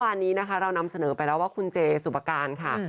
วันนี้นะคะเรานำเสนอไปแล้วว่าคุณเจสุปการค่ะ